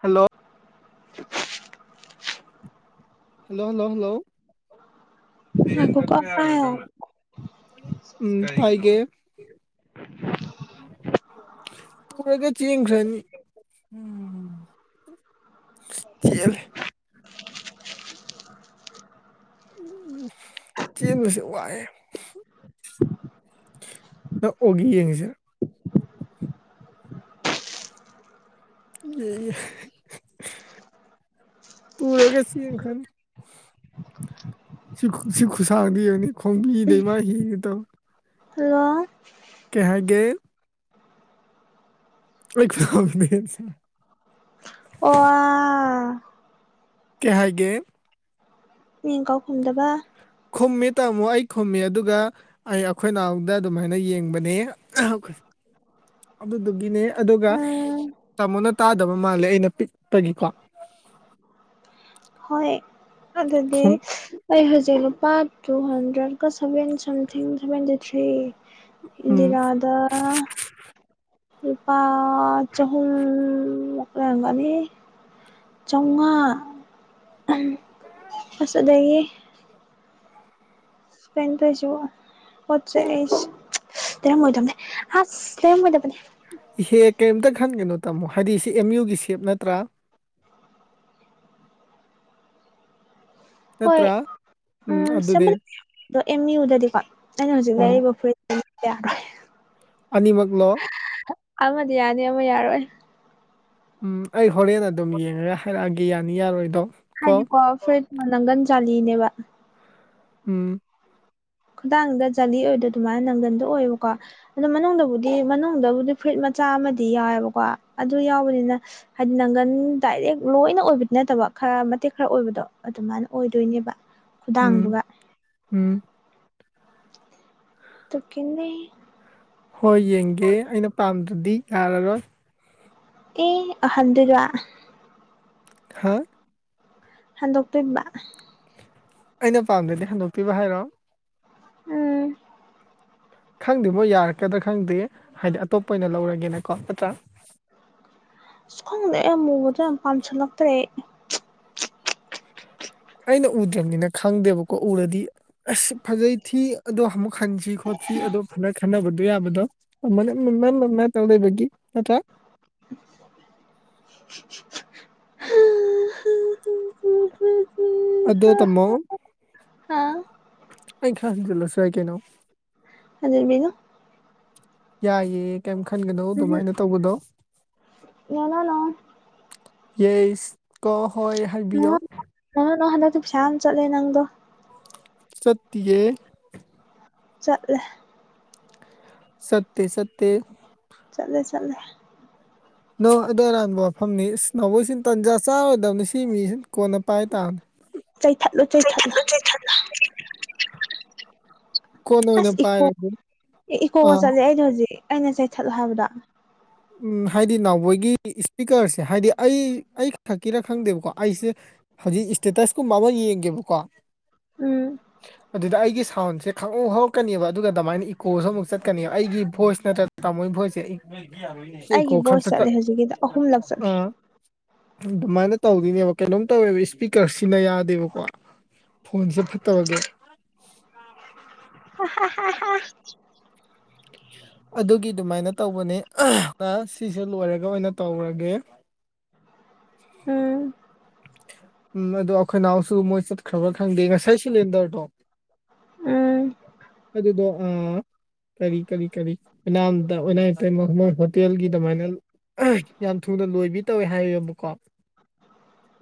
hello [unintelligible] hello hello hello ꯉꯥꯏꯈꯣꯀꯣ ꯄꯥꯏꯌꯣ ꯎꯝ ꯄꯥꯏꯒꯦ ꯄꯨꯔꯒ ꯆꯦꯟꯒꯔꯅꯤ ꯎꯝ ꯆꯦꯜꯂꯦ ꯎꯝ ꯆꯦꯟꯕꯁꯦ ꯋꯥꯏꯌꯦ ꯅꯪ ꯑꯣꯒꯤ ꯌꯦꯡꯉꯤꯁꯦ [unintelligible] ꯄꯨꯔꯒ ꯆꯦꯟꯈ꯭ꯔꯅꯤ ꯁꯤ ꯁꯤ ꯈꯨꯁꯥꯡꯖꯦ ꯌꯦꯡꯉꯨꯅꯦ ꯈꯣꯡꯕꯤꯗꯩ ꯃꯥ ꯍꯦꯟꯒꯦ ꯇꯧꯋꯤ ꯍꯜꯂꯣ ꯀꯩ ꯍꯥꯏꯒꯦ [unintelligible] ꯑꯣ ꯀꯩ ꯍꯥꯏꯒꯦ ꯃꯤ ꯀꯧ ꯈꯨꯝꯗꯕ ꯈꯨꯝꯃꯦ ꯇꯥꯃꯣ ꯑꯩ ꯈꯨꯝꯃꯤ ꯑꯗꯨꯒ ꯑꯩ ꯑꯩꯈꯣꯏ ꯅꯥꯎꯗ ꯑꯗꯨꯃꯥꯏꯅ ꯌꯦꯡꯕꯅꯦ ꯑꯗꯨꯗꯨꯒꯤꯅꯦ ꯑꯗꯨꯒ ꯎꯝ ꯇꯥꯃꯣꯅ ꯇꯥꯗꯕ ꯃꯥꯜꯂꯦ ꯑꯩꯅ ꯄꯤꯛꯄꯒꯤꯀꯣ ꯍꯣꯏ ꯑꯗꯨꯒꯤ ꯑꯩ ꯍꯧꯖꯤꯛ ꯂꯨꯄꯥ ꯇꯨ ꯍꯟꯗ꯭ꯔꯦꯗꯀ ꯁꯚꯦꯟ ꯁꯝꯊꯤꯡ ꯁꯚꯦꯟꯇꯤ ꯊ꯭ꯔꯤ ꯎꯝ ꯏꯟꯗꯤꯔꯗ ꯂꯨꯄꯥ ꯆꯍꯨꯝ ꯂꯩꯔꯝꯒꯅꯤ ꯆꯧꯉꯥ ꯑꯁꯤꯗꯒꯤ ꯀꯩꯅꯣ ꯇꯧꯁꯤꯔꯣ ꯄꯣꯠ ꯆꯩ ꯑꯩ ꯂꯩꯔꯃꯣꯏꯗꯝꯅꯦ ꯍꯁ ꯂꯩ ꯔꯝꯃꯣꯏꯗꯕꯅꯦ ꯏꯍꯦ ꯀꯔꯤꯝꯇ ꯈꯟꯒꯅꯣ ꯇꯥꯃꯣ ꯍꯥꯏꯗꯤ ꯁꯤ ꯑꯦꯝ ꯌꯨꯒꯤ ꯁꯦꯞ ꯅꯠꯇ꯭ꯔꯥ ꯍꯣꯏ ꯅꯠꯇ꯭ꯔꯥ ꯎꯝ [unintelligible] ꯑꯦꯝ ꯌꯨꯗꯗꯤꯀꯣ ꯑꯩꯅ ꯍꯧꯖꯤꯛ ꯎꯝ ꯂꯩꯔꯤꯕ ꯐꯨꯔꯤꯠꯇ [unintelligible] ꯑꯅꯤꯃꯛꯂꯣ ꯑꯃꯗꯤ ꯌꯥꯅꯤ ꯑꯃ ꯌꯥꯔꯣꯏ ꯎꯝ ꯑꯩ ꯍꯣꯔꯦꯟ ꯑꯗꯨꯝ ꯌꯦꯡꯉꯒ ꯍꯥꯏꯔꯛꯑꯒꯦ ꯌꯥꯅꯤ ꯌꯥꯔꯣꯏꯗꯣ ꯀꯣ ꯍꯥꯏꯅꯤꯀꯣ ꯐꯨꯔꯤꯠ ꯅꯪꯒꯟ ꯖꯥꯂꯤꯅꯦꯕꯥ ꯎꯝ ꯈꯨꯗꯥꯥꯡꯗ ꯖꯂꯤ ꯑꯣꯏꯕꯗꯣ ꯑꯗꯨꯃꯥꯏꯅ ꯅꯪꯒꯟꯗꯣ ꯑꯣꯏꯔꯣꯏꯀꯣ ꯑꯗꯨ ꯃꯅꯨꯡꯗꯕꯨꯗꯤ ꯃꯅꯨꯡꯗꯕꯨꯗꯤ ꯐꯨꯔꯤꯠ ꯃꯆꯥ ꯑꯃꯗꯤ ꯌꯥꯎꯋꯦꯕꯀꯣ ꯑꯗꯨ ꯌꯥꯎꯕꯅꯤꯅ ꯍꯥꯏꯗꯤ ꯅꯪꯒꯟ ꯗꯥꯏꯔꯦꯛ ꯂꯣꯏꯅ ꯑꯣꯏꯕꯗꯤ ꯅꯠꯇꯕ ꯈꯔ ꯃꯇꯦꯛ ꯈꯔ ꯑꯣꯏꯕꯗꯣ ꯑꯗꯨꯃꯥꯏꯅ ꯑꯣꯏꯗꯣꯏꯅꯦꯕ ꯎꯝ ꯈꯨꯗꯥꯡꯗꯨꯒ ꯎꯝ [unintelligible] ꯍꯣꯏ ꯌꯦꯡꯒꯦ ꯑꯩꯅ ꯄꯥꯝꯗ꯭ꯔꯗꯤ ꯌꯥꯔꯔꯣꯏ ꯀꯦ ꯑꯦꯍꯥꯟꯗꯒꯥ ꯍꯥꯥ [unintelligible] ꯑꯩꯅ ꯄꯥꯝꯗꯗꯤ ꯍꯟꯗꯣꯛꯇꯣꯏꯕ ꯍꯥꯏꯔꯣ ꯎꯝ ꯈꯪꯗꯦꯕꯣ ꯌꯥꯔꯛꯀꯗ꯭ꯔꯥ ꯈꯪꯗꯦ ꯍꯥꯏꯗꯤ ꯑꯇꯣꯞꯄ ꯑꯣꯏꯅ ꯂꯧꯔꯒꯦꯅꯀꯣ ꯅꯠꯇ꯭ꯔꯥ ꯈꯪꯗꯦ ꯑꯩ ꯑꯃꯨꯕꯗ ꯌꯥꯝ ꯄꯥꯝꯁꯤꯜꯂꯛꯇ꯭ꯔꯦ ꯑꯩ ꯑꯩꯅ ꯎꯗ꯭ꯔꯕꯅꯤꯅ ꯈꯪꯗꯦꯕꯀꯣ ꯎꯔꯗꯤ ꯑꯁ ꯐꯖꯩ ꯊꯤ ꯑꯗꯣ ꯑꯃꯨꯛ ꯍꯟꯁꯤ ꯈꯣꯠꯁꯤ ꯑꯗꯣ ꯐꯅ ꯈꯟꯅꯕꯗꯣ ꯌꯥꯕꯗꯣ [unintelligible] ꯇꯧꯗꯕꯒꯤ ꯅꯥꯠꯇꯔ [unintelligible] ꯑꯗꯣ ꯇꯃꯣ ꯑꯩ ꯈꯔ ꯍꯦꯟꯖꯤꯟꯂꯁꯨ ꯌꯥꯏ ꯀꯩꯅꯣ [unintelligible] ꯌꯥꯏꯌꯦ ꯀꯩꯝ ꯈꯟꯒꯅꯣ ꯎꯝꯍꯨꯝ ꯑꯗꯨꯃꯥꯏꯅ ꯇꯧꯒꯗꯣ ꯅꯣꯅꯣꯅꯣ ꯌꯥꯏꯁ ꯀꯣ ꯍꯣꯏ ꯍꯥꯏꯕꯤꯌꯣ [unintelligible] ꯅꯪ ꯍꯟꯗꯛꯇꯤ ꯄꯩꯁꯥ ꯌꯥꯝ ꯆꯠꯂꯦ ꯅꯪꯗꯣ ꯆꯠꯇꯤꯌꯦ ꯆꯠꯂꯦ [unintelligible] ꯆꯠꯂꯦ ꯆꯠꯂꯦ ꯅꯣ ꯑꯗꯨ ꯑꯔꯥꯟꯕ ꯋꯥꯐꯝꯅꯤ ꯏꯁ ꯅꯕꯣꯏꯁꯤ ꯇꯥꯟꯖꯥ ꯆꯥꯔꯣꯏꯗꯝꯅꯤ ꯁꯤ ꯃꯤꯁꯤ ꯀꯣꯟꯅꯥ ꯄꯥꯏ ꯇꯥꯥꯝ ꯆꯩꯊꯠꯂꯨ ꯆꯩꯊꯠꯂꯨ [unintelligible] ꯀꯣꯟꯅ ꯑꯣꯏꯅ ꯑꯁ ꯏꯀꯣ ꯄꯥꯏꯔꯒꯦ ꯑꯦ ꯑ ꯏꯀꯣꯒ ꯆꯠꯂꯦ ꯑꯩꯗꯣ ꯍꯧꯖꯤꯛ ꯑꯩꯅ ꯆꯩꯊꯠꯂ ꯍꯥꯏꯕꯗ ꯎꯝ ꯍꯥꯏꯗꯤ ꯅꯥꯎꯕꯣꯏꯒꯤ ꯁ꯭ꯄꯤꯀꯔꯁꯦ ꯍꯥꯏꯗꯤ ꯑꯩ ꯑꯩ ꯈꯛꯀꯤꯔꯥ ꯈꯪꯗꯦꯕꯀꯣ ꯑꯩꯁꯦ ꯍꯧꯖꯤꯛ ꯏꯁꯇꯦꯇꯁ ꯀꯨꯝꯕ ꯑꯃ ꯌꯦꯡꯒꯦꯕꯀꯣ ꯎꯝ ꯑꯗꯨꯗ ꯑꯩꯒꯤ ꯁꯥꯎꯟꯁꯦ ꯈꯪꯍꯧ ꯍꯧꯔꯛꯀꯅꯦꯕ ꯑꯗꯨꯒ ꯑꯗꯨꯃꯥꯏꯅ ꯏꯀꯣꯁꯨ ꯑꯃꯨꯛ ꯆꯠꯀꯅꯦꯕ ꯑꯩꯒꯤ ꯚꯣꯏꯁ ꯅꯠꯇ꯭ꯔꯒ ꯇꯥꯃꯣꯒꯤ ꯚꯣꯏꯁꯁꯦ ꯑꯩ ꯁꯤ ꯏꯀꯣ ꯑꯩꯒꯤ ꯚꯣꯏꯁ ꯈꯪꯆꯠꯇ ꯆꯠꯂꯦ ꯍꯧꯖꯤꯛꯀꯤꯗꯣ ꯑꯍꯨꯝꯂꯛ ꯆꯠꯂꯦ ꯑꯥ ꯑꯗꯨꯃꯥꯏꯅ ꯇꯧꯗꯣꯏꯅꯦꯕ ꯀꯩꯅꯣꯝ ꯇꯧꯋꯦꯕ ꯏꯁꯄꯤꯀꯔ ꯁꯤꯖꯤꯟꯅ ꯌꯥꯗꯦꯕꯀꯣ ꯐꯣꯟꯁꯦ ꯐꯠꯇꯕꯒꯦ [unintelligible] ꯑꯗꯨꯒꯤ ꯑꯗꯨꯃꯥꯏꯅ ꯇꯧꯕꯅꯤ ꯁꯤꯁꯨ ꯂꯣꯏꯔꯒ ꯑꯣꯏꯅ ꯇꯧꯔꯒꯦ ꯎꯝ ꯎꯝ ꯑꯗꯣ ꯑꯩꯈꯣꯏ ꯅꯥꯎꯁꯨ ꯃꯣꯏ ꯆꯠꯈ꯭ꯔꯕ꯭ꯔꯥ ꯈꯪꯗꯦ ꯉꯁꯥꯏ ꯁꯤꯂꯤꯟꯗꯔꯗꯣ ꯎꯝ ꯑꯗꯨꯗꯣ ꯑꯥ ꯀꯔꯤ ꯀꯔꯤ ꯀꯔꯤ [unintelligible] ꯍꯣꯇꯦꯜꯒꯤ ꯗꯨꯃꯥꯏꯅ ꯌꯥꯝ ꯊꯨꯅ ꯂꯣꯏꯕꯤ ꯇꯧꯋꯦ ꯍꯥꯏꯕꯀꯣ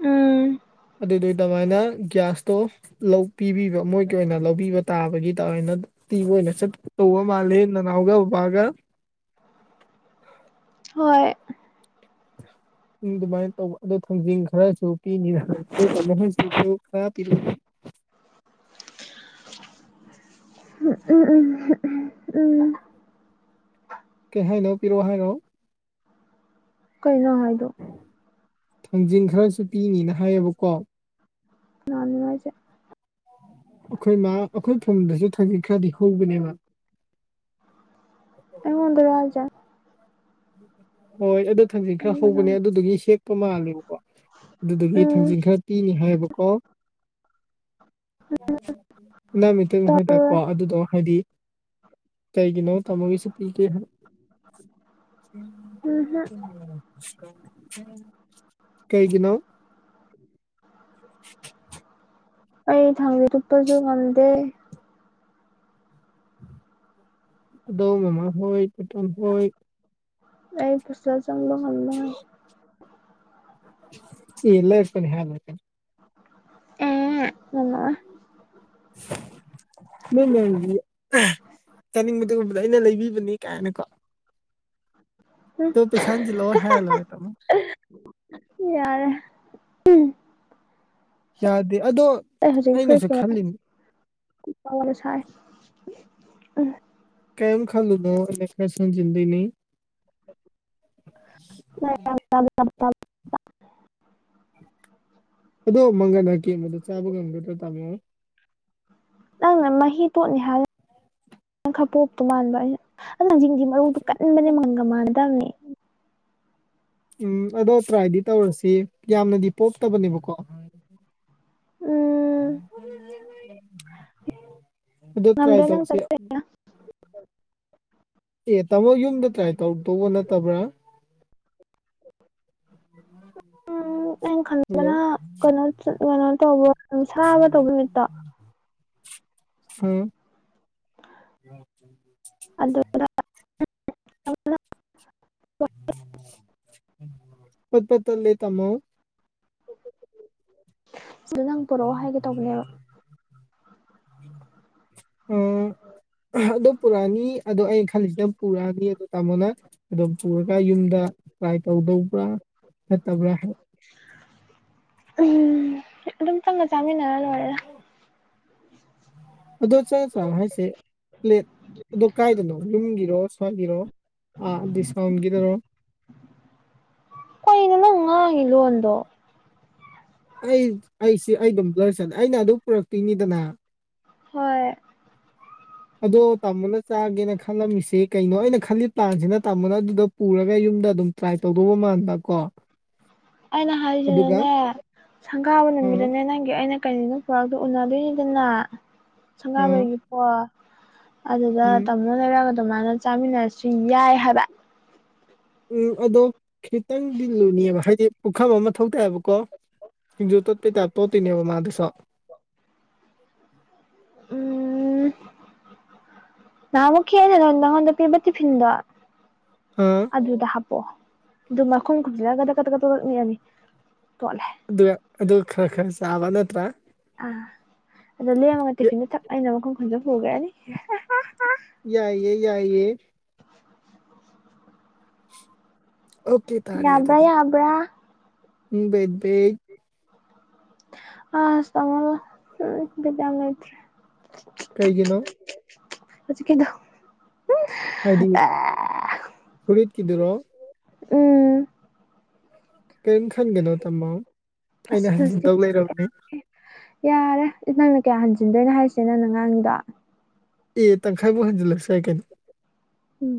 ꯎꯝ ꯑꯗꯨꯗꯨꯒꯤ ꯑꯗꯨꯃꯥꯏꯅ ꯒ꯭ꯌꯥꯁꯇꯣ ꯂꯧ ꯄꯤꯕꯤꯕ ꯃꯣꯏꯒꯤ ꯑꯣꯏꯅ ꯂꯧꯕꯤꯕ ꯇꯥꯕꯒꯤ ꯇꯅ ꯄꯤꯕ ꯑꯣꯏꯅ ꯆꯠꯇꯧꯕ ꯃꯥꯂꯦ ꯅꯅꯥꯎꯒ ꯕꯥꯕꯥꯒ ꯍꯣꯏ ꯑꯗꯨꯃꯥꯏꯅ ꯇꯧꯕ ꯑꯗꯨꯣ ꯊꯥꯡꯖꯤꯡ ꯈꯔꯁꯨ ꯄꯤꯅꯤꯅ [unintelligible] ꯄꯤꯔꯛꯑꯦ [unintelligible] ꯀꯩ ꯍꯥꯏꯅꯣ ꯄꯤꯔꯛꯑꯣ ꯍꯥꯏꯔꯣ ꯀꯩꯅꯣ ꯅꯪ ꯍꯥꯏꯗꯣ ꯊꯥꯡꯖꯤꯟ ꯈꯔꯁꯨ ꯄꯤꯅꯤꯅ ꯍꯥꯏꯌꯦꯕꯀꯣ ꯀꯅꯥꯅꯅꯣ ꯍꯥꯏꯁꯦ ꯑꯩꯈꯣꯏ ꯃꯥ ꯑꯩꯈꯣꯏ ꯐꯨꯝꯗꯁꯨ ꯊꯡꯖꯤꯛ ꯈꯔꯗꯤ ꯍꯧꯕꯅꯦꯕ ꯑꯩꯉꯣꯟꯗꯔꯣ ꯍꯥꯏꯁꯦ [inaudible] ꯍꯣꯏ ꯑꯗꯨ ꯊꯥꯡꯖꯤꯡ ꯈꯔ ꯍꯧꯕꯅꯦ ꯑꯗꯨꯗꯨꯒꯤ ꯍꯦꯛꯄ ꯃꯥꯜꯂꯦꯕꯀꯣ ꯑꯗꯨꯗꯨꯒꯤ ꯎꯝ ꯊꯥꯡꯖꯤꯡ ꯈꯔ ꯄꯤꯅꯤ ꯍꯥꯏꯌꯦꯕꯀꯣ ꯅꯪ ꯇꯧꯔꯣꯏ [unintelligible] ꯑꯗꯨꯗꯣ ꯍꯥꯏꯗꯤ ꯀꯩꯒꯤꯅꯣ ꯇꯃꯣ ꯀꯩꯁꯨ ꯄꯤꯗꯦ ꯍꯥꯏꯕ ꯎꯝꯍꯨꯝ ꯀꯩꯒꯤꯅꯣ ꯑꯩ ꯊꯥꯡꯖꯤꯡ ꯇꯨꯞꯄꯁꯨ ꯉꯝꯗꯦ ꯑꯗꯣ ꯃꯃꯥꯍꯣꯏ ꯄꯇꯣꯟ ꯍꯣꯏ ꯑꯩ [unintelligible] ꯆꯪꯕ [unintelligible] ꯍꯥꯏ [inaudible] ꯑꯦ ꯂꯩꯔꯛꯄꯅꯤ ꯍꯥꯏ ꯂꯣꯏꯔꯦ ꯀꯩꯅꯣ ꯎꯝ ꯉꯝꯃꯔꯣꯏ [inaudible] ꯅꯣꯏ ꯃꯗꯤ ꯆꯥꯅꯤꯡꯕꯗꯨ ꯎꯕꯗ ꯑꯩꯅ ꯂꯩꯕꯤꯕꯅꯤ ꯀꯥꯏꯅꯀꯣ ꯗꯣ ꯄꯩꯁꯥ ꯍꯟꯖꯤꯜꯂꯛꯑꯣꯏ ꯍꯥꯏꯔ ꯂꯣꯏꯔꯦ ꯀꯩꯅꯣ ꯌꯥꯔꯦ ꯎꯝ ꯌꯥꯗꯦ ꯑꯗꯣ ꯑꯩ ꯍꯧꯖꯤꯛ ꯑꯩꯅꯁꯨ ꯈꯜꯂꯤꯅꯤ [unintelligible] ꯁꯥꯏ ꯀꯩꯝ ꯈꯜꯨꯂꯨꯅꯣ [unintelligible] ꯊꯪꯖꯤꯟꯗꯨꯏꯅꯤ [unintelligible] ꯑꯗꯣ ꯃꯪꯒꯟ ꯑꯀꯦꯝꯕꯗ ꯆꯥꯕ ꯉꯝꯒꯗ꯭ꯔꯥ ꯇꯥꯃꯣ ꯅꯪꯅ ꯃꯍꯤ ꯇꯣꯠꯅꯤ ꯍꯥꯏꯂ ꯅꯪ ꯈꯔꯄꯣꯞꯇꯣ ꯃꯥꯟꯕ [unintelligible] ꯃꯔꯨꯗꯨ ꯀꯟꯕꯅꯦ ꯃꯪꯒꯟꯒ ꯃꯥꯟꯅꯗꯕꯅꯦ ꯎꯝ ꯑꯗꯣ ꯇ꯭ꯔꯥꯏꯗꯤ ꯇꯧꯔꯁꯤ ꯌꯥꯝꯅꯗꯤ ꯄꯣꯛꯇꯕꯅꯦꯕꯀꯣ ꯎꯝ [unintelligible] ꯑꯗꯨꯗ ꯇ꯭ꯔꯥꯏ ꯉꯝꯗ꯭ꯔꯦ ꯅꯪ ꯇꯧꯁꯤ ꯆꯠ ꯑꯦ ꯇꯥꯃꯣ ꯌꯨꯝꯗ ꯇ꯭ꯔꯥꯏ ꯇꯧꯔꯛꯇꯧꯕ ꯅꯠꯇꯕ꯭ꯔꯥ [unintelligible] ꯎꯝ ꯑꯩꯅ ꯍꯜꯂꯣ ꯈꯟꯕꯗꯅ ꯀꯩꯅꯣ [unintelligible] ꯀꯩꯅꯣ ꯇꯧꯕ ꯁꯥꯕ ꯇꯧꯕ ꯃꯤꯠꯇꯣ ꯎꯝ [unintelligible] ꯑꯗꯨꯗ ꯄꯠ ꯄꯠ ꯇꯠꯂꯦ ꯇꯃꯣ ꯁꯤꯗ ꯅꯪ ꯇꯧꯔꯛꯑꯣ ꯍꯥꯏꯒꯦ ꯇꯧꯕꯅꯦꯕ ꯎꯝ ꯑꯗꯣ ꯄꯨꯔꯛꯅꯤ ꯑꯗꯣ ꯑꯩꯅ ꯈꯜꯂꯤꯁꯤꯅ ꯄꯨꯔꯛꯅꯤ ꯑꯗꯨ ꯇꯥꯃꯣꯅ ꯑꯗꯨꯝ ꯄꯨꯔꯒ ꯌꯨꯝꯗ ꯇ꯭ꯔꯥꯏ ꯇꯧꯗꯧꯕ꯭ꯔꯥ ꯅꯠꯇꯕ꯭ꯔꯥ ꯎꯝ ꯑꯗꯨꯝ ꯆꯪꯒ ꯆꯥꯃꯤꯟꯅꯔ ꯂꯣꯏꯔꯦꯗ [unintelligible] ꯑꯗꯣ ꯆꯦ ꯆꯥꯡ ꯍꯥꯏꯁꯦ ꯄ꯭ꯂꯦꯠ ꯑꯗꯣ ꯀꯥꯏꯗꯅꯣ ꯌꯨꯝꯒꯤꯔꯣ ꯁ꯭ꯋꯥꯏꯒꯤꯔꯣ ꯑꯥ ꯗꯤꯁꯀꯥꯎꯟꯒꯤꯗꯣ ꯀꯩꯅꯣ ꯅꯪꯅ ꯉꯥꯡꯉꯤ ꯂꯣꯟꯗꯣ ꯑꯩ ꯑꯩꯁꯤ ꯑꯩ ꯑꯗꯨꯝ ꯕꯂꯔ ꯆꯠꯂꯦ ꯑꯩꯅ ꯑꯗꯨ ꯄꯨꯔꯛꯇꯣꯏꯅꯤꯗꯅ ꯍꯣꯏ ꯑꯗꯣ ꯇꯥꯃꯣꯅ ꯆꯥꯒꯦꯅ ꯈꯜꯂꯝꯃꯤꯁꯦ ꯀꯩꯅꯣ ꯑꯩꯅ ꯈꯜꯂꯤ ꯄ꯭ꯂꯥꯟꯁꯤꯅ ꯇꯥꯃꯣꯅ ꯑꯗꯨꯗꯣ ꯄꯨꯔꯒ ꯌꯨꯝꯗ ꯑꯗꯨꯝ ꯇ꯭ꯔꯥꯏ ꯇꯧꯗꯧꯕ ꯃꯥꯟꯕ ꯀꯣ ꯑꯩꯅ ꯑꯗꯨꯒ ꯍꯥꯏꯔꯤꯁꯤꯅꯅꯦ ꯁꯪꯒꯥꯕ ꯑꯥ ꯅꯨꯃꯤꯇꯅꯦ ꯅꯪꯒꯤ ꯑꯩꯅ ꯀꯩꯅꯅꯣ ꯄꯨꯔꯛꯇꯣ ꯎꯅꯗꯣꯏꯅꯤꯗꯅ ꯑꯥ ꯁꯪꯒꯥꯕꯩꯒꯤꯀꯣ ꯑꯗꯨꯗ ꯎꯝ ꯇꯥꯃꯣꯅ ꯂꯩꯔꯒ ꯑꯗꯨꯃꯥꯏꯅ ꯆꯥꯃꯤꯟꯅꯔꯁꯨ ꯌꯥꯏ ꯍꯥꯏꯕ ꯎꯝ ꯑꯗꯣ ꯈꯤꯇꯪꯗꯤ ꯂꯨꯅꯤꯕ ꯍꯥꯏꯗꯤ ꯄꯨꯈꯝ ꯑꯃ ꯃꯥꯊꯧ ꯇꯥꯏꯕꯀꯣ ꯁꯤꯡꯖꯨ ꯇꯣꯠꯄꯩꯇꯥꯥꯏꯞꯇ ꯇꯣꯠꯇꯣꯏꯅꯦꯕ ꯃꯥꯗꯨꯁꯨ [inaudible] ꯎꯝ ꯅꯍꯥꯟꯃꯨꯛ [unintelligible] ꯄꯤꯕ ꯇꯤꯐꯤꯟꯗꯣ ꯑꯥ ꯑꯗꯨꯗ ꯍꯥꯞꯄꯛꯑꯣ ꯑꯗꯨ ꯃꯈꯨꯝ ꯈꯨꯝꯁꯤꯜꯂꯒ ꯀꯥꯗꯛ ꯀꯥꯗꯛ ꯅꯤꯛꯑꯅꯤ ꯇꯣꯠꯂꯦ ꯑꯗꯨ ꯑꯗꯨ ꯈꯔ ꯈꯔ ꯆꯥꯜꯔ ꯅꯠꯇ꯭ꯔꯥ ꯑꯥ ꯑꯗꯣ ꯂꯦꯝꯃꯒ ꯌꯥ- ꯇꯤꯐꯤꯟꯗꯣ ꯊꯛ ꯑꯩꯅ ꯃꯈꯨꯝ ꯈꯨꯟꯁꯤꯜꯔꯒ ꯄꯨꯈ꯭ꯔꯥꯅꯤ ꯌꯥꯏꯌꯦ ꯌꯥꯏꯌꯦ [unintelligible] ꯑꯣ ꯌꯥꯕ꯭ꯔꯥ ꯌꯥꯕ꯭ꯔꯥ ꯎꯝ ꯕꯦꯕꯤ [unintelligible] ꯀꯩꯒꯤꯅꯣ ꯍꯧꯖꯤꯛꯀꯤꯗꯣ ꯍꯥꯏꯗꯤ ꯑꯥ ꯐꯨꯔꯤꯠꯀꯤꯗꯨꯔꯣ ꯎꯝ ꯀꯔꯤꯝ ꯈꯟꯒꯅꯣ ꯇꯥꯝꯃꯣ ꯑꯁ ꯑꯩꯅ ꯍꯤꯜꯁꯇꯤ ꯍꯟꯖꯤꯟꯗꯧ ꯂꯩꯔꯝꯅꯦ ꯌꯥꯔꯦ ꯅꯪꯅ ꯀꯌꯥ ꯍꯟꯖꯤꯟꯗꯣꯏꯅꯣ ꯍꯥꯏꯁꯦ ꯅꯪ ꯅꯉꯥꯡꯒꯤꯗꯣ ꯑꯦ ꯇꯪꯈꯥꯏꯐꯥꯎꯛ ꯍꯟꯖꯤꯜꯂꯁꯨ ꯌꯥꯏ ꯀꯩꯅꯣ ꯎꯝ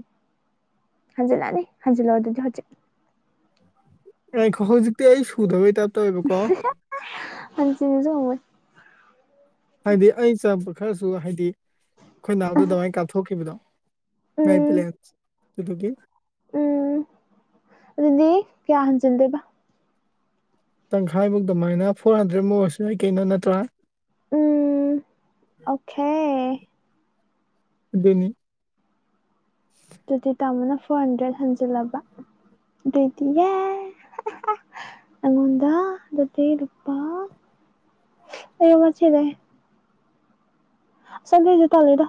ꯍꯟꯖꯤꯜꯂꯛꯑꯅꯤ ꯍꯟꯖꯤꯜꯂꯛꯑꯣ ꯑꯗꯨꯗꯤ ꯍꯧꯖꯤꯛ ꯉꯏꯈꯣ ꯍꯧꯖꯤꯛꯇꯤ ꯑꯩ ꯁꯨꯗꯕꯩ ꯇꯥꯏꯞ ꯇꯧꯋꯦꯕꯀꯣ ꯍꯟꯖꯤꯟꯕꯁꯨ ꯉꯝꯃꯣꯏ ꯍꯥꯏꯗꯤ ꯑꯩ ꯆꯪꯉꯛꯄ ꯈꯔꯁꯨ ꯍꯥꯏꯗꯤ ꯑꯩꯈꯣꯏꯅꯥꯎꯗ ꯑꯗꯨꯃꯥꯏꯅ ꯀꯥꯞꯊꯣꯛꯈꯤꯕꯗꯣ ꯃꯥꯏ ꯎꯝ ꯕꯦꯂꯦꯟꯁ ꯑꯗꯨꯗꯨꯒꯤ ꯎꯝ ꯑꯗꯨꯗꯤ ꯀꯌꯥ ꯍꯟꯖꯟꯗꯣꯏꯕ ꯇꯪꯈꯥꯏꯃꯨꯛ ꯑꯗꯨꯃꯥꯏꯅ ꯐꯣꯔ ꯍꯟꯗ꯭ꯔꯦꯗꯃꯨꯛ ꯑꯣꯏꯔꯁꯨ ꯌꯥꯏ ꯀꯩꯅꯣ ꯅꯠꯇ꯭ꯔꯥ ꯎꯝ ꯑꯣꯈꯦ ꯑꯗꯨꯅꯤ ꯑꯗꯨꯗꯤ ꯇꯥꯃꯣꯅ ꯐꯣꯔ ꯍꯟꯗ꯭ꯔꯦꯗ ꯍꯟꯖꯤꯜꯂꯕ ꯑꯗꯨꯏꯗꯤ ꯌꯦ ꯑꯉꯣꯟꯗ ꯑꯗꯨꯗꯤ‌ꯂꯨꯄꯥ ꯑꯌꯣꯏꯃꯥ ꯁꯤꯔꯦ ꯑꯗꯣꯏꯁꯨ ꯇꯟꯂꯤꯗ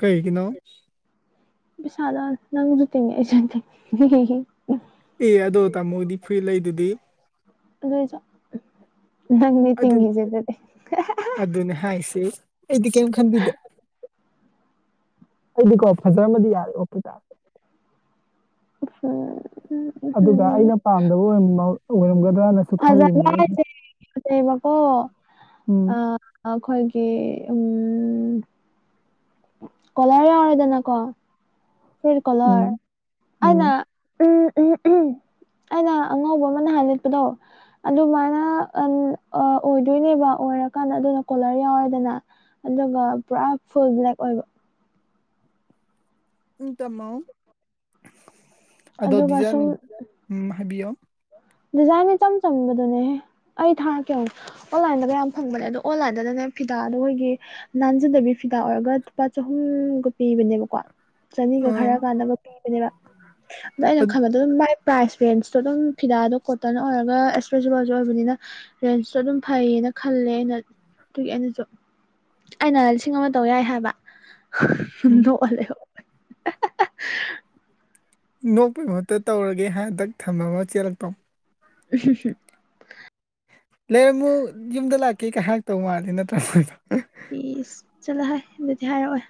ꯀꯩꯒꯤꯅꯣ ꯄꯤꯁꯥꯔ ꯅꯪꯁꯨ ꯇꯤꯉꯏ ꯑꯩꯁꯨ ꯇꯤꯉꯏ ꯑꯦ ꯑꯗꯣ ꯇꯥꯃꯣꯗꯤ ꯐꯨꯔꯤꯠ ꯂꯩꯗꯨꯗꯤ ꯑꯗꯨꯁꯨ ꯅꯪꯅꯤ ꯑꯗꯨ ꯇꯤꯉꯏꯖ ꯑꯗꯨꯗꯤ ꯑꯗꯨꯅꯦ ꯍꯥꯏꯁꯦ ꯑꯩꯗꯤ ꯀꯦꯝ ꯈꯟꯕꯤꯗꯦ ꯑꯩꯗꯤꯀꯣ ꯐꯖꯔꯝꯃꯗꯤ ꯌꯥꯔꯦ ꯑꯣꯀꯦ‌ ꯇꯥꯔꯦ [unintelligible] ꯑꯗꯨꯗ ꯎꯝ ꯑꯩꯅ ꯄꯥꯝꯗꯕ ꯑꯣꯏꯔꯝꯒꯗ꯭ꯔꯥꯅ ꯐꯖꯕ ꯍꯥꯏꯁꯦ ꯐꯖꯩꯕꯀꯣ ꯑ ꯎꯝ ꯑꯩꯈꯣꯏꯒꯤ ꯎꯝ ꯀꯣꯂꯔ ꯌꯥꯎꯔꯦꯗꯅꯀꯣ ꯐꯨꯔꯤꯠ ꯎꯝ ꯀꯣꯂꯔ ꯎꯝ ꯑꯩꯅ ꯎꯝ ꯎꯝ ꯎꯝ ꯑꯩꯅ ꯑꯉꯧꯕ ꯑꯃ ꯅꯍꯥꯟ ꯂꯤꯠꯄꯗꯣ ꯑꯗꯨꯃꯥꯏꯅ ꯑꯝ ꯑꯣꯏꯗꯣꯏꯅꯦꯕ ꯑꯣꯏꯔ ꯀꯥꯟ ꯑꯗꯨꯅ ꯀꯣꯂꯔ ꯌꯥꯎꯔꯦꯗꯅ ꯑꯗꯨꯒ ꯄꯨꯔꯥ ꯐꯨꯜ ꯕ꯭ꯂꯦꯛ ꯑꯣꯏꯕ ꯎ ꯇꯝꯃꯣ ꯑꯗꯣ ꯑꯗꯨꯒ ꯗꯤꯖꯥꯏꯟ ꯁꯨꯝ ꯎꯝ ꯍꯥꯏꯕꯤꯌꯣ ꯗꯤꯖꯥꯏꯟ ꯏꯆꯝ ꯆꯝꯕꯗꯨꯅꯦꯍꯦ ꯑꯩ ꯊꯥꯔꯀꯦ ꯑꯃꯨꯛ ꯑꯣꯟꯂꯥꯏꯟꯗꯒ ꯌꯥꯝ ꯐꯪꯕꯅꯦ ꯑꯗꯣ ꯑꯣꯟꯂꯥꯏꯟꯗꯅꯦ ꯐꯤꯗꯥꯗꯣ ꯑꯩꯈꯣꯏꯒꯤ ꯅꯟꯖꯗꯕꯤ ꯐꯤꯗꯥ ꯑꯣꯏꯔꯒ ꯂꯨꯄꯥ ꯆꯍꯨꯝꯒꯨꯝ ꯄꯤꯕꯅꯦꯕꯀꯣ ꯆꯅꯤꯒ ꯈꯔ ꯑꯥ ꯀꯥꯟꯅꯕ ꯄꯤꯕꯅꯦꯕ ꯑꯗꯣ ꯑꯩꯅ ꯑꯗ- ꯈꯟꯕꯗꯣ ꯑꯗꯨꯝ ꯃꯥꯏ ꯄ꯭ꯔꯥꯏꯁ ꯔꯦꯟꯁꯇꯣ ꯑꯗꯨꯝ ꯐꯤꯗꯥ ꯑꯗꯣ ꯀꯣꯇꯟ ꯑꯣꯏꯔꯒ ꯏꯁꯇ꯭ꯔꯦꯆꯦꯕꯜꯁꯨ ꯑꯣꯏꯕꯅꯤꯅ ꯔꯦꯟꯖꯇꯁꯨ ꯑꯗꯨꯝ ꯐꯩꯌꯦꯅ ꯈꯜꯂꯦ ꯑꯩꯅ ꯑꯗꯨꯒꯤ ꯑꯩꯅꯁꯨ ꯑꯩꯅ ꯂꯤꯁꯤꯡ ꯑꯃ ꯇꯧ ꯌꯥꯏ ꯍꯥꯏꯕ ꯎꯝ ꯅꯣꯛꯑꯒ ꯂꯩꯍꯧꯏ [unintelligible] ꯅꯣꯛꯄꯩ ꯃꯍꯨꯠꯇ ꯇꯧꯔꯒꯦ ꯇꯛ ꯊꯝꯃꯒ ꯆꯦꯜꯂꯛꯇꯧ [unintelligible] ꯂꯩꯔꯝꯃꯨ ꯌꯨꯝꯗ ꯂꯥꯛꯀꯦ ꯀꯥꯏ ꯍꯥꯛꯑꯦꯛꯇꯧ ꯃꯥꯜꯂꯤ ꯅꯠꯇ꯭ꯔꯥ ꯏꯁ ꯆꯠꯂꯍꯦ ꯑꯗꯨꯗꯤ ꯍꯥꯏꯔꯛꯑꯣꯏ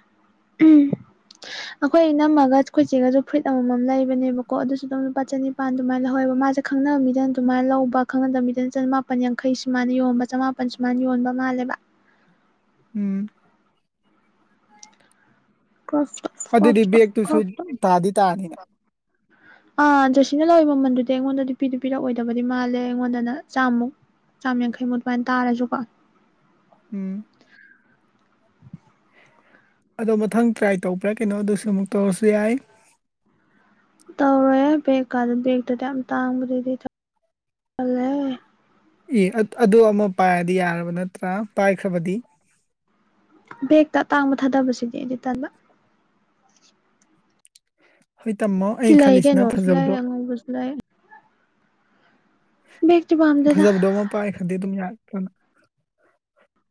ꯑꯩꯈꯣꯏ ꯅꯝꯃꯒ ꯑꯩꯈꯣꯏꯆꯦꯒꯁꯨ ꯐꯨꯔꯤꯠ ꯑꯃꯃꯝ ꯂꯩꯕꯅꯦꯕꯀꯣ ꯑꯗꯨꯁꯨ ꯑꯗꯨꯝ ꯂꯨꯄꯥ ꯆꯅꯤ ꯅꯤꯄꯥꯟ ꯑꯗꯨꯃꯥꯏꯅ ꯂꯧꯍꯧꯦꯕ ꯃꯥꯁꯦ ꯈꯪꯅꯅꯕꯕꯤꯗꯅ ꯑꯗꯨꯃꯥꯏꯅ ꯂꯧꯕ ꯈꯪꯅꯗꯕꯕꯤꯗ ꯆꯃꯥꯄꯟ ꯌꯥꯡꯈꯩꯁꯤ ꯃꯥꯅ ꯌꯣꯟꯕ ꯆꯃꯥꯄꯟ ꯄꯟꯖ ꯁꯨꯃꯥꯏꯅꯥ ꯌꯣꯟꯕ ꯃꯥꯜꯂꯦꯕ ꯎꯝ ꯀ꯭ꯔꯣꯞ ꯇꯣꯞ ꯀ꯭ꯔꯣꯞ ꯑꯗꯨꯗꯤ ꯇꯣꯞ ꯕꯦꯛꯇꯨꯁꯨ ꯀ꯭ꯔꯣꯞ ꯇꯣꯞ ꯇꯥꯗꯤ ꯇꯥꯅꯤꯅ ꯑꯥ ꯖꯣꯁꯤꯅ ꯂꯧꯏ ꯃꯃꯜꯗꯨꯗꯤ ꯑꯩꯉꯣꯟꯗꯗꯤ ꯄꯤꯗꯨ ꯄꯤꯔꯛꯑꯣꯏꯗꯕꯗꯤ ꯃꯥꯜꯂꯦ ꯑꯩꯉꯣꯟꯗꯅ ꯆꯥꯃꯨꯛ ꯆꯥꯝ ꯌꯥꯡꯈꯩ ꯃꯨꯛ ꯑꯗꯨꯃꯥꯏ ꯇꯥꯔꯁꯨꯀꯣ ꯎꯝ ꯑꯗꯣ ꯃꯊꯪ ꯇ꯭ꯔꯥꯏ ꯇꯧꯕ꯭ꯔꯥ ꯀꯩꯅꯣ ꯑꯗꯨꯁꯨ ꯑꯃꯨꯛ ꯇꯧꯔꯁꯨ ꯌꯥꯏ ꯇꯧꯔꯦ ꯕꯦꯒꯀꯥꯟꯗ ꯕꯦꯛꯇꯨꯗꯤ ꯌꯥꯝ ꯇꯥꯡꯕꯗꯩꯗꯤꯜꯂꯦ ꯑꯦ ꯑꯗꯨ ꯑꯃ ꯄꯥꯏꯔꯗꯤ ꯌꯥꯔꯕ ꯅꯠꯇ꯭ꯔꯥ ꯄꯥꯏꯈ꯭ꯔꯕꯗꯤ ꯕꯦꯛꯇ ꯑꯇꯥꯡꯕ ꯊꯥꯗꯕꯁꯤꯗꯤ ꯑꯩꯗꯤ ꯇꯟꯕ ꯍꯣꯏ ꯇꯃꯣ ꯁꯤ ꯂꯩ ꯀꯩꯅꯣ ꯁꯂꯥꯏ ꯑꯃꯨꯕꯁꯨ ꯂꯩ ꯕꯦꯛꯇꯤ ꯄꯥꯝꯗꯦꯗ ꯐꯖꯕꯗꯣ ꯑꯃ ꯄꯥꯏ ꯈꯪꯗꯤ ꯑꯗꯨꯝ ꯌꯥꯅ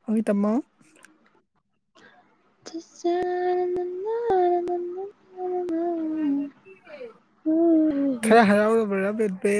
ꯍꯣꯏ ꯇꯝꯃꯣ ꯆꯤꯆꯦ ꯈꯔ ꯍꯔꯥꯎꯔꯕ꯭ꯔ ꯕꯦꯕꯦ